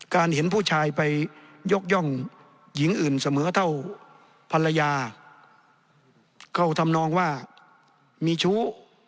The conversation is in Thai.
เห็นผู้ชายไปยกย่องหญิงอื่นเสมอเท่าภรรยาเข้าทำนองว่ามีชู้